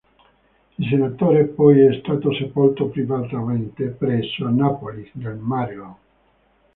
Il senatore poi è stato sepolto privatamente presso Annapolis nel Maryland..